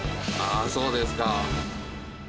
そうですか。